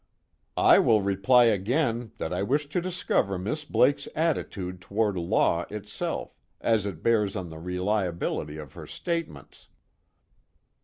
"I will reply again that I wish to discover Miss Blake's attitude toward law itself, as it bears on the reliability of her statements."